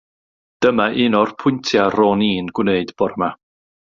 Dyma un o'r pwyntiau ro'n i'n gwneud bore 'ma.